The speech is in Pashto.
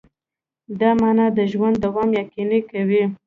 دا مانا د ژوند دوام یقیني کوي.